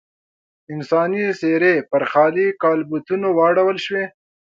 انساني څېرې پر خالي کالبوتونو واړول شوې.